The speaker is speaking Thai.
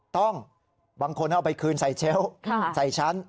บางคนเอาไปคืนใส่เชลล์ใส่ชั้น